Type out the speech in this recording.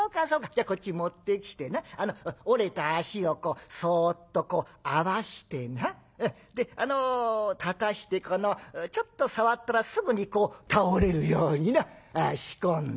じゃあこっちに持ってきてな折れた脚をそっとこう合わしてなであの立たしてこのちょっと触ったらすぐに倒れるようにな仕込んで。